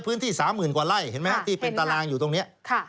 พื้นที่๓๐๐๐๐กว่าไล่เห็นไหมครับที่เป็นตารางอยู่ตรงนี้